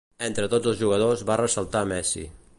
Entre tots els jugadors va ressaltar Messi.